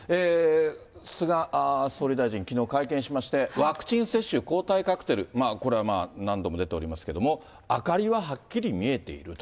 菅総理大臣、きのう会見しまして、ワクチン接種、抗体カクテル、これは何度も出ておりますけれども、明かりははっきり見えていると。